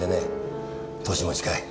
歳も近い。